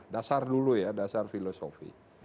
dasar dulu ya dasar filosofi